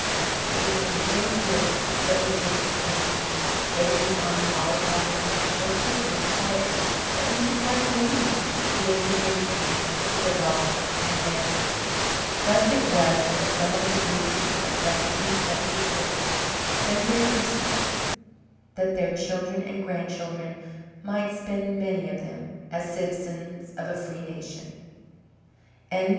It was a good day's work that we did this Christmas, getting the army all across the river so quickly and quietly that we surprised the enemy, and gained a victory, with the loss of few men." Thus it was that some of the good people of 1776 spent their Christmas, that their children and grandchildren might spend many of them as citizens of a free nation. XXIX.